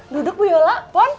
duduk bu yola